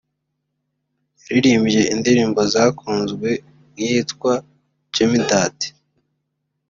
yaririmbye indirimbo zakunzwe nk’iyitwa ’Gimme That’